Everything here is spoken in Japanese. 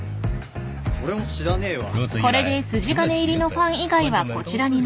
俺も知らねえわ